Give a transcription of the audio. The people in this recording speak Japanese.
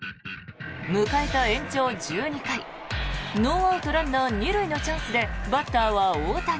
迎えた延長１２回ノーアウト、ランナー２塁のチャンスでバッターは大谷。